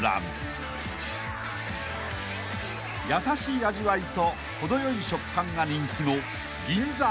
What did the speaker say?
［優しい味わいと程よい食感が人気の］